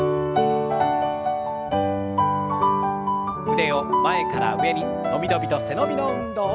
腕を前から上に伸び伸びと背伸びの運動。